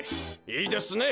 いいですね！